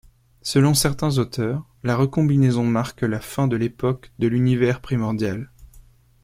Selon certains auteurs, la recombinaison marque la fin de l'époque de l'univers primordial.